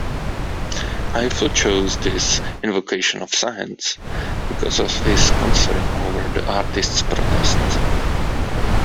Eiffel chose this "invocation of science" because of his concern over the artists' protest.